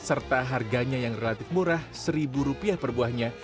serta harganya yang relatif murah seribu rupiah per buahnya